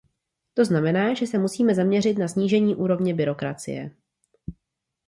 To znamená, že se musíme zaměřit na snížení úrovně byrokracie.